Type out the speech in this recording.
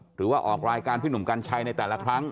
หรือว่าออกรายการพี่หนุ่มกัญชัยในแต่ละครั้ง